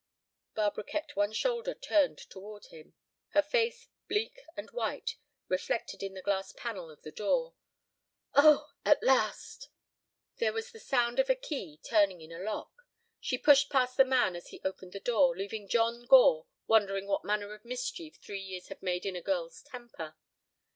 Barbara kept one shoulder turned toward him, her face, bleak and white, reflected in the glass panel of the door. "Oh—at last!" There was the sound of a key turning in a lock. She pushed past the man as he opened the door, leaving John Gore wondering what manner of mischief three years had made in a girl's temper.